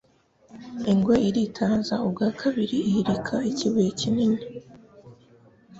ingwe iritaza ubwa kabiri ihirika ikibuye kinini